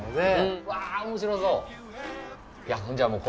うわー、面白そう。